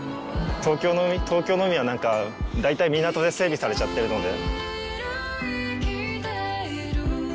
東京の海はだいたい港で整備されちゃってるので。